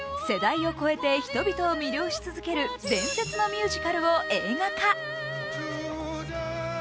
世代を越えて人々を魅了し続ける伝説のミュージカルを映画化。